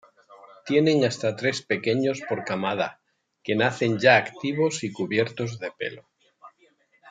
Tienen hasta tres pequeños por camada, que nacen ya activos y cubiertos de pelo.